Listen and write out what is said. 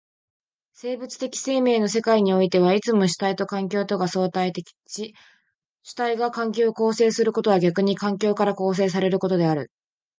生物的生命の世界においてはいつも主体と環境とが相対立し、主体が環境を形成することは逆に環境から形成せられることである。